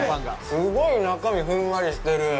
すごい中身ふんわりしてる。